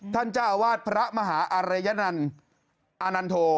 ท่านเจ้าอาวาสภ์พระมหาอาเรยซนั้นอนัลโท